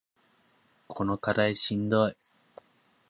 この課題しんどい